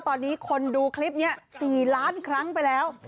ตอนนี้คนดูคลิปนี้๔ล้านครั้งไปแล้ว